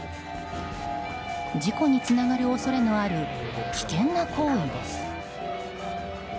事故につながる恐れのある危険な行為です。